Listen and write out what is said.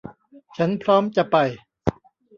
ฉันพร้อมจะไป